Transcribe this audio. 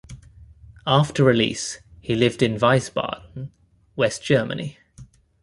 After release he lived in Wiesbaden, West Germany.